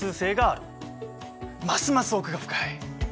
ますます奥が深い。